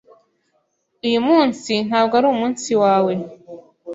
Uyu munsi ntabwo ari umunsi wawe.